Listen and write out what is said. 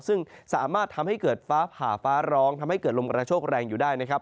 ซึ่งสามารถทำให้เกิดฟ้าผ่าฟ้าร้องทำให้เกิดลมกระโชคแรงอยู่ได้นะครับ